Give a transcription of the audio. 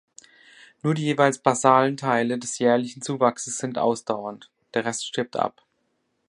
Nur die jeweils basalen Teile des jährlichen Zuwachses sind ausdauernd, der Rest stirbt ab.